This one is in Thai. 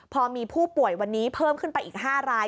พอมีผู้ป่วยวันนี้เพิ่มขึ้นไปอีก๕ราย